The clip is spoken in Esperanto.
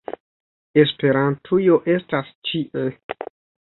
- Esperantujo estas ĉie!